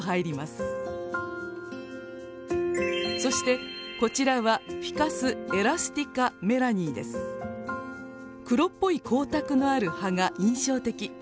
そしてこちらは黒っぽい光沢のある葉が印象的。